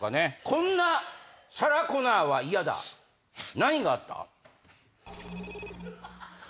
こんなサラ・コナーは嫌だ何があった？